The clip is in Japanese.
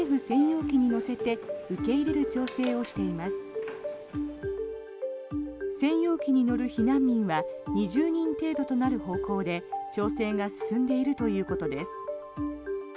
専用機に乗る避難民は２０人程度となる方向で調整が進んでいるということです。